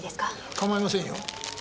構いませんよ。